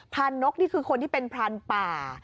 นกนี่คือคนที่เป็นพรานป่า